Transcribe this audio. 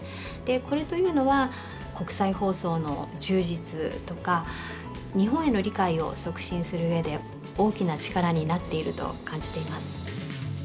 これというのは国際放送の充実とか日本への理解を促進するうえで大きな力になっていると感じています。